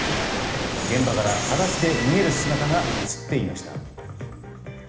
現場から裸足で逃げる姿が映っていました。